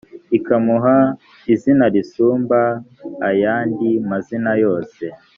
ikamuha izina risumba ayandi mazina yose